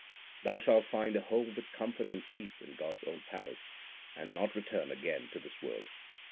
Thou shalt find a home with comfort and peace in God s own palace, and not return again to this world.